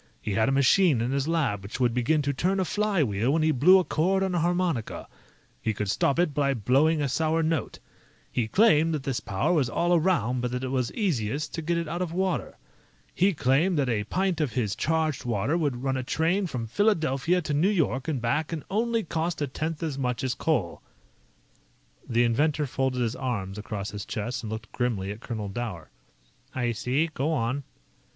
He had a machine in his lab which would begin to turn a flywheel when he blew a chord on a harmonica. He could stop it by blowing a sour note. He claimed that this power was all around, but that it was easiest to get it out of water. He claimed that a pint of his charged water would run a train from Philadelphia to New York and back and only cost a tenth as much as coal." The inventor folded his arms across his chest and looked grimly at Colonel Dower. "I see. Go on."